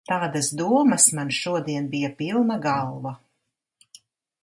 Tādas domas man šodien bija pilna galva.